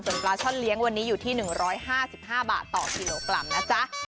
ปลาช่อนเลี้ยงวันนี้อยู่ที่๑๕๕บาทต่อกิโลกรัมนะจ๊ะ